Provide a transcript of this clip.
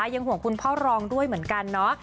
ยังห่วงคุณพ่อรองด้วยเหมือนกันเนาะ